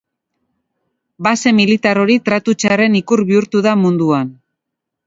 Base militar hori tratu txarren ikur bihurtu da munduan.